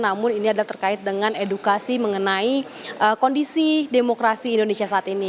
namun ini adalah terkait dengan edukasi mengenai kondisi demokrasi indonesia saat ini